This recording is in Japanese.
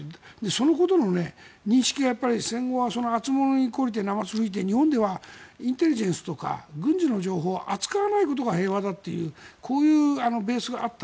そのことの認識が、戦後はあつものに懲りてなますを吹いて日本では、インテリジェンスとか軍事の情報を扱わないことが平和だっていうこういうベースがあった。